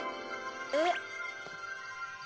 えっ？